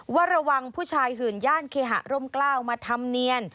ว่าระวังผู้ชายหื่นย่านเคหะร่มกล้าวมาทำเนียน